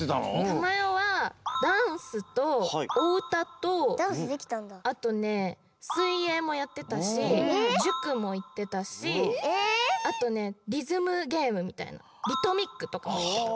たまよはダンスとおうたとあとねすいえいもやってたしじゅくもいってたしあとねリズムゲームみたいなリトミックとか。